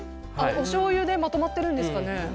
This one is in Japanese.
おしょうゆでまとまってるんですかね。